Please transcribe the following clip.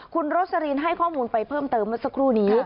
คุณโรสลินให้ข้อมูลไปเพิ่มเติมเมื่อสักครู่นี้